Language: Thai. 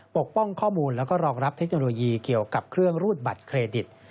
ปกป้องข้อมูลแล้วก็รองรับเทคโนโลยีเกี่ยวกับเครื่องรูดบัตรเครดิต